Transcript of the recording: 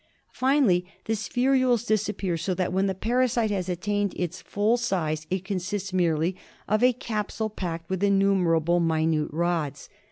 Finally the ' spherules disap pear ; so that when the parasite has attained its full size it consists merely of a capsule packed with innumerable minute rods.